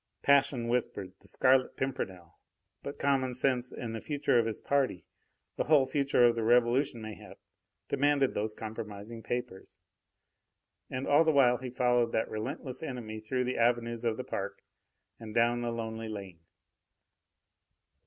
Passion whispered "The Scarlet Pimpernel!" but common sense and the future of his party, the whole future of the Revolution mayhap, demanded those compromising papers. And all the while he followed that relentless enemy through the avenues of the park and down the lonely lane.